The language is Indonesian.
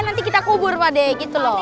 nanti kita kubur pak deh gitu loh